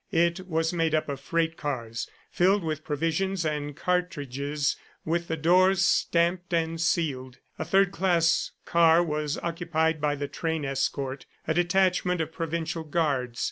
It was made up of freight cars filled with provisions and cartridges, with the doors stamped and sealed. A third class car was occupied by the train escort, a detachment of provincial guards.